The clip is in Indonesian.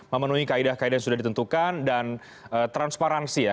memenuhi kaedah kaedah yang sudah ditentukan dan transparansi ya